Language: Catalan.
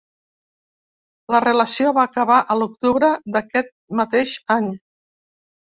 La relació va acabar a l'octubre d'aquest mateix any.